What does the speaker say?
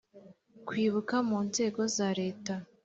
Kwibuka mu nzego za Leta